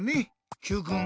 Ｑくん